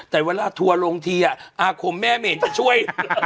แต่เวลาทัวร์ลงทีอาคมแม่ไม่เห็นจะช่วย